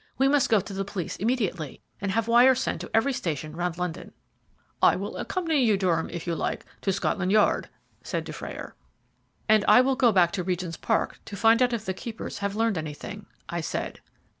We must go to the police immediately, and have wires sent to every station round London." "I will accompany you, Durham, if you like, to Scotland Yard," said Dufrayer. "And I will go back to Regent's Park to find out if the keepers have learned anything," I said.